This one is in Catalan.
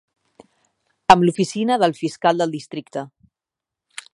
Amb l'oficina del Fiscal del Districte.